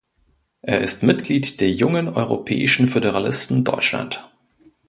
Er ist Mitglied der Jungen Europäischen Föderalisten Deutschland.